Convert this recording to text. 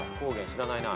知らないな。